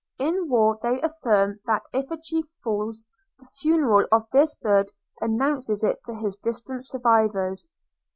In war, they affirm that if a chief falls, the funeral cry of this bird announces it to his distant survivors.